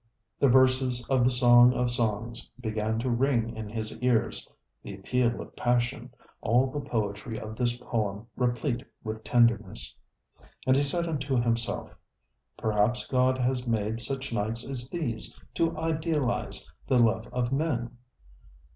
The verses of the Song of Songs began to ring in his ears, the appeal of passion, all the poetry of this poem replete with tenderness. And he said unto himself: ŌĆ£Perhaps God has made such nights as these to idealize the love of men.